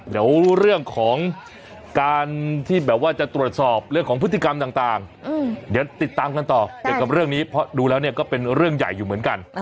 เดี๋ยวเรื่องของการที่แบบว่าจะตรวจสอบเรื่องของพฤติกรรมต่างเดี๋ยวติดตามกันต่อเกี่ยวกับเรื่องนี้เพราะดูแล้วเนี่ยก็เป็นเรื่องใหญ่อยู่เหมือนกัน